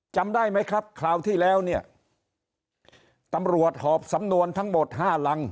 จำได้ไหมครับคราวที่แล้วเนี่ยตำรวจหอบสำนวนทั้งหมดห้ารัง